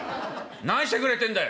何してくれてんだよ」。